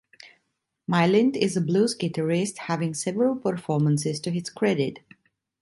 Milind is a blues guitarist having several performances to his credit.